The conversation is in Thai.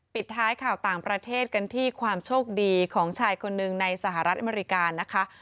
ปิดท้ายข่าวต่างประเทศกันที่ความโชคดีของชายคนหนึ่งในสหรัฐอเมริกานะคะ